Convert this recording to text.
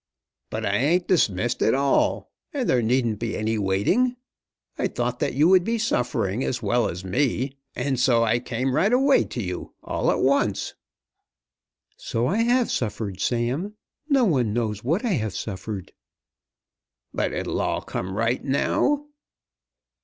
"But I ain't dismissed at all, and there needn't be any waiting. I thought that you would be suffering as well as me, and so I came right away to you, all at once." "So I have suffered, Sam. No one knows what I have suffered." "But it'll come all right now?"